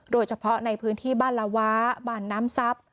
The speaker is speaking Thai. โดยเฉพาะในพื้นที่บ้านละว้าบ้านน้ำทรัพย์